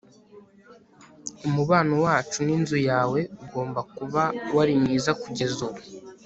Umubano wacu ninzu yawe ugomba kuba wari mwiza kugeza ubu